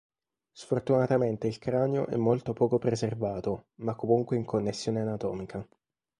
Sfortunatamente il cranio è molto poco preservato, ma comunque in connessione anatomica.